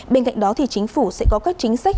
bên cạnh đó thì chính phủ sẽ có các chính sách